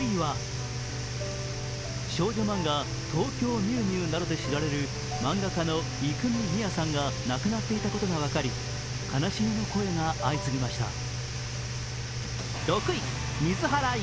少女漫画「東京ミュウミュウ」などで知られる漫画家の征海美亜さんが亡くなっていたことが分かり、悲しみの声が相次ぎました。